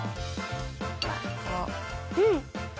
うん！